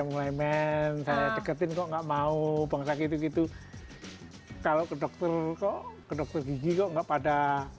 mulai menjaga deketin kok nggak mau bangsa gitu gitu kalau kedokter kok kedokter gigi kok nggak pada